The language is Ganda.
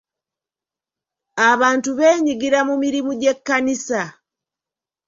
Abantu beenyigira mu mirimu gy'ekkanisa.